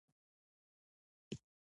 د زابل په سیوري کې د مرمرو نښې شته.